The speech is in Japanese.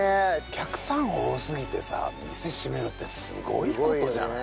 お客さん多すぎてさ店閉めるってすごい事じゃない？